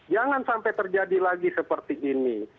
jangan sampai terjadi lagi seperti ini